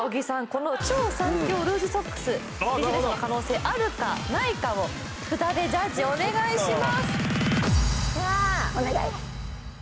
この超最強ルーズソックスビジネスの可能性あるかないかを札でジャッジお願いしますお願い！